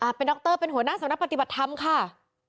เป็นดรเป็นหัวหน้าสำนักปฏิบัติธรรมค่ะ